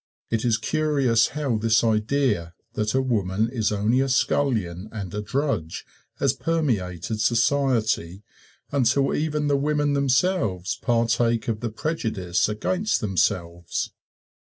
It is curious how this idea that a woman is only a scullion and a drudge has permeated society until even the women themselves partake of the prejudice against themselves.